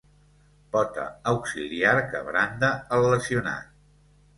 Pota auxiliar que branda el lesionat.